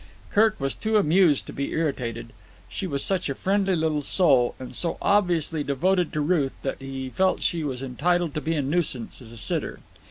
Kirk was too amused to be irritated. She was such a friendly little soul and so obviously devoted to Ruth that he felt she was entitled to be a nuisance as a sitter.